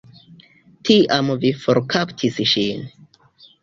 Tiam vi forkaptis ŝin.